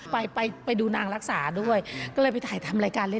ไปไปไปดูนางรักษาด้วยก็เลยไปถ่ายทำรายการเลย